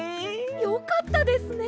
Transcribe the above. よかったですね！